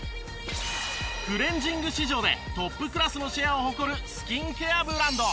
クレンジング市場でトップクラスのシェアを誇るスキンケアブランド。